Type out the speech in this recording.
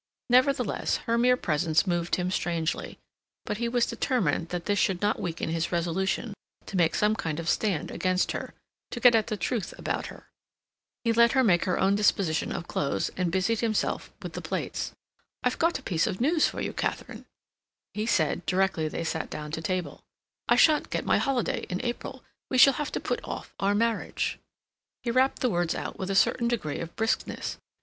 Nevertheless, her mere presence moved him strangely; but he was determined that this should not weaken his resolution to make some kind of stand against her; to get at the truth about her. He let her make her own disposition of clothes and busied himself with the plates. "I've got a piece of news for you, Katharine," he said directly they sat down to table; "I shan't get my holiday in April. We shall have to put off our marriage." He rapped the words out with a certain degree of briskness.